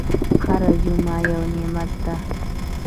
هره جمعه یو نعمت ده.